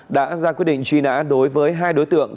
đã ra quyết định truy nã đối với hai đối tượng